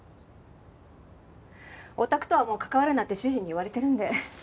お宅とはもう関わるなって主人に言われてるんで。